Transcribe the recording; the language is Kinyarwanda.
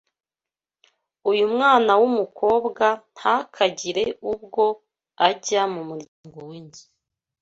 uyu mwana w’umukobwa ntakagire ubwo ajya mu muryango w’inzu